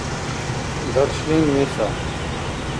даршлим вецӀал